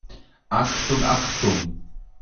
Achtung, Achtung!